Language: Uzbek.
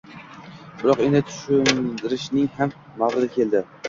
Biroq, endi turishning ham mavridi keldi